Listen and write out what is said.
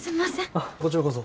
あっこちらこそ。